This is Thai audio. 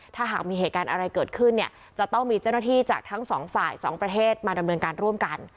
ถ้าหากมีเหตุการณ์อะไรเกิดขึ้นเนี่ยจะต้องมีเจ้าหน้าที่จากทั้งสองฝ่ายสองประเทศมาดำเนินการร่วมกัน